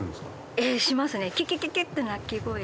ええしますね。